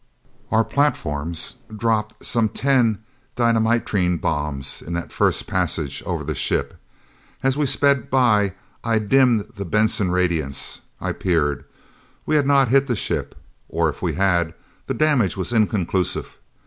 Our platforms dropped some ten dynamitrine bombs in that first passage over the ship. As we sped by, I dimmed the Benson radiance. I peered. We had not hit the ship. Or if we had, the damage was inconclusive.